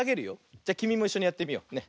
じゃきみもいっしょにやってみよう。ね。